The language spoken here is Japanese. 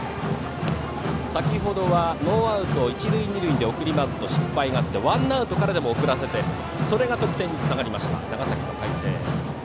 先ほどはノーアウト一塁二塁で送りバント失敗があってワンアウトからでも送らせてそれが得点につながりました長崎の海星。